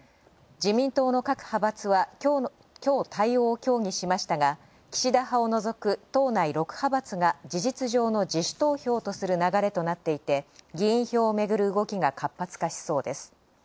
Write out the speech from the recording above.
自民党の各派閥は、今日対応を協議しましたが、岸田派を除く、党内６派閥が事実上の自主投票とする流れとなっていて議員票をめぐる動きが活発化しそうです。